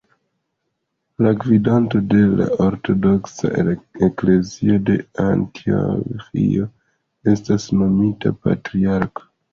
La gvidanto de la ortodoksa eklezio de Antioĥio estas nomita patriarko.